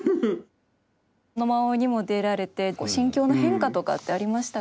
野馬追にも出られて心境の変化とかってありましたか？